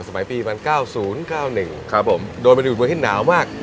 สมัยปี๑๙๙๑โดนไปอยู่รัวแห่งหนาวมาก